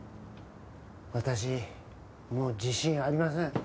私もう自信ありません。